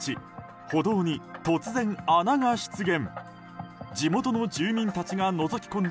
歩道に突然、穴が出現。